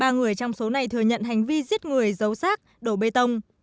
ba người trong số này thừa nhận hành vi giết người giấu sát đổ bê tông